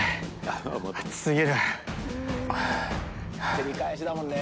照り返しだもんね。